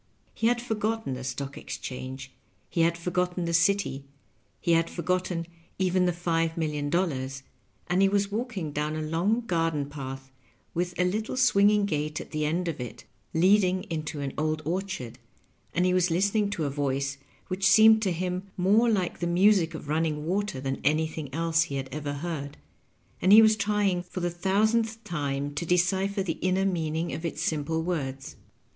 He had forgotten the Stock Exchange, he had forgotten the city, he had forgotten even the five million dollars, and he was walking down a long garden path, with a little swinging gate at the end of it leading into an old orchard, and he was listening to a voice which seemed to him more like the music of run ning water than anything else he had ever heard, and he was trying for the thousandth time to decipher the inner meaning of its simple words.